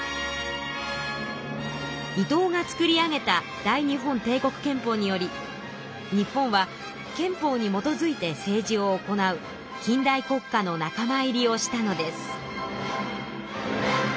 伊藤が作り上げた大日本帝国憲法により日本は憲法にもとづいて政治を行う近代国家の仲間入りをしたのです。